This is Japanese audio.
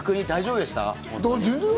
逆に大丈夫でした？